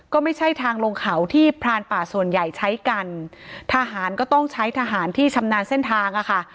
ก็ไม่ใช่ทางลงเขาที่พรานป่าส่วนใหญ่ใช้กันทหารก็ต้องใช้ทหารที่ชำนาญเส้นทางอ่ะค่ะ